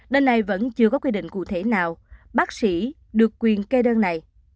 đơn này vẫn chưa có quy định cụ thể nào bác sĩ được quyền kê đơn này